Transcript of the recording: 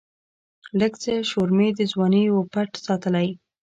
لږڅه شورمي د ځواني وًپټ ساتلی